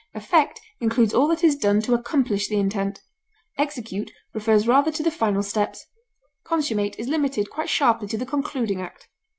Effect includes all that is done to accomplish the intent; execute refers rather to the final steps; consummate is limited quite sharply to the concluding act.